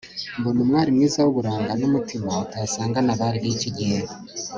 mbona umwari mwiza wuburanga numutima utasangana abari biki gihe